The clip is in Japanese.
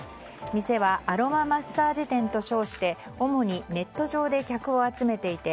店はアロママッサージ店と称して主にネット上で客を集めていて